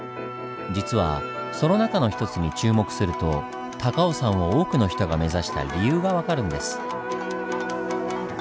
実はその中の一つに注目すると高尾山を多くの人が目指した理由が分かるんです。